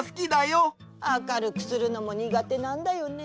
あかるくするのもにがてなんだよね。